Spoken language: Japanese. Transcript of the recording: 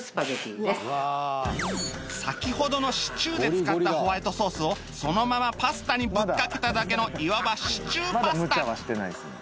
先ほどのシチューで使ったホワイトソースをそのままパスタにぶっかけただけのいわばシチューパスタ